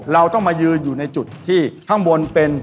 เราต้องมายืนอยู่ในจุดที่ข้างบนเป็น